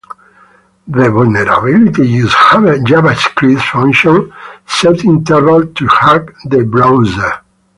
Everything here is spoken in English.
The vulnerability used javascript function setInterval to hack the browser.